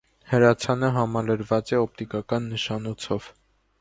Հրացանը համալրված է օպտիկական նշանոցով։